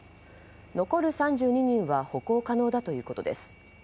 残る３２人は歩行可能だということです。